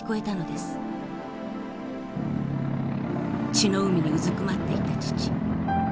血の海にうずくまっていた父。